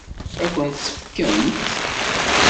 Ad kent-tt-fkent?